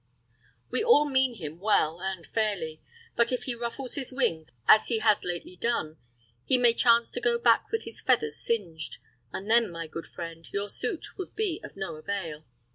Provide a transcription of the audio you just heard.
We all mean him well, and fairly; but if he ruffles his wings as he has lately done, he may chance to go back with his feathers singed; and then, my good friend, your suit would be of no avail.